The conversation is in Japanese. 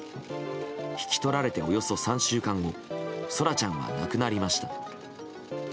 引き取られて、およそ３週間後空来ちゃんは亡くなりました。